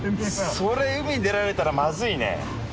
それ海出られたらまずいね。